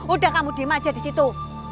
udah kamu diem aja disitu